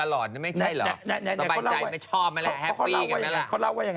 ไม่มีใครเล่าหรอก